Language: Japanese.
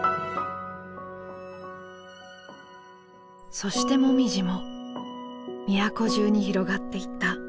そしてもみじも都中に広がっていった。